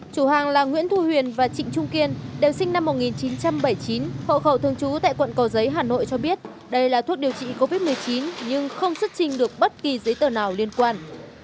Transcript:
chủ hàng là nguyễn thu huyền và trịnh trung kiên đều sinh năm một nghìn chín trăm bảy mươi chín hộ khẩu thường trú tại quận cầu giấy hà nội cho biết đây là thuốc điều trị covid một mươi chín nhưng không xuất trình được bất kỳ giấy tờ nào liên quan